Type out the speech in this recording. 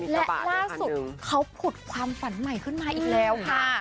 และล่าสุดเขาผุดความฝันใหม่ขึ้นมาอีกแล้วค่ะ